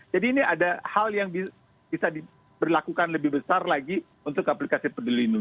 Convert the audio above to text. jadi ini ada hal yang bisa diberlakukan lebih besar lagi untuk aplikasi penduduk ini